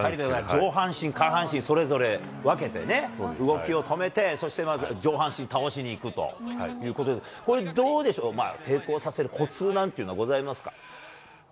上半身、下半身それぞれ分けてね、動きを止めて、そして上半身倒しにいくということで、これ、どうでしょう、成功させるこつなんていうのはございますか。